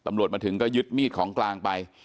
ตำรวจมาถึงก็ยึดมีดของกลางไป